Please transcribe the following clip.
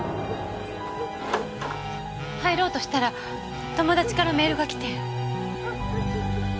入ろうとしたら友達からメールが来て。